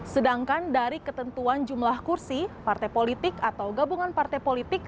sedangkan dari ketentuan jumlah kursi partai politik atau gabungan partai politik